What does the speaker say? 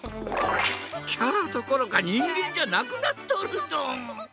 キャラどころかにんげんじゃなくなっとるドン！